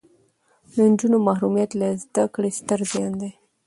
د نجونو محرومیت له زده کړې ستر زیان دی.